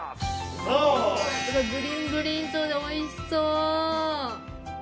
ブリンブリンそうでおいしそう！